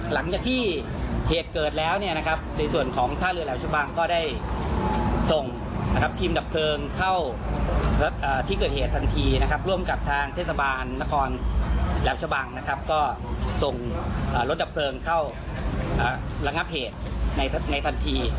หลังจากที่เหตุเกิดแล้วเนี่ยนะครับในส่วนของท่าเรือแหลมชะบังก็ได้ส่งนะครับทีมดับเพลิงเข้าที่เกิดเหตุทันทีนะครับร่วมกับทางเทศบาลนครแหลมชะบังนะครับก็ส่งรถดับเพลิงเข้าระงับเหตุในทันที